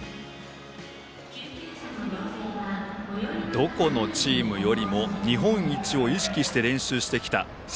どこのチームよりも日本一を意識して練習してきたと。